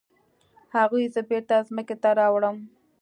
هغوی زه بیرته ځمکې ته راوړم.